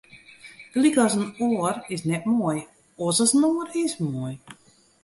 Gelyk as in oar is net moai, oars as in oar is moai.